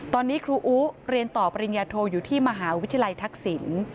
ตอนนี้ครูอุเรียนต่อปริญญาโทอยู่ที่มหาวิทยาลัยทักษิณ